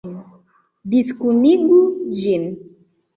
Diskunigu ĝin!